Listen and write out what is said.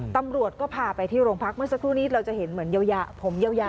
ตำรวจก็พาไปที่โรงพักเมื่อสักครู่นี้เราจะเห็นเหมือนยาวผมยาว